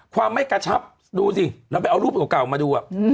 ความไม่กระชับดูสิเราไปเอารูปเก่ามาดู